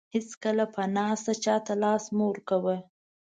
هیڅکله په ناسته چاته لاس مه ورکوه.